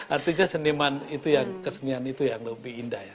artinya kesenian itu yang lebih indah ya